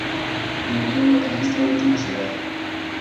Murió en esta última ciudad.